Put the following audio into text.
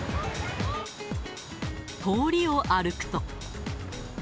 通りを歩くと。